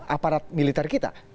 aparat militer kita